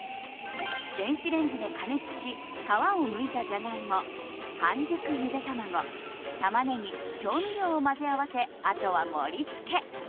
電子レンジで加熱し皮をむいたジャガイモ半熟ゆで卵、タマネギ調味料を混ぜ合わせあとは盛り付け。